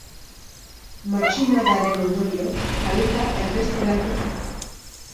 Matxinadaren ondorioz, kalifa erbesteratu zen.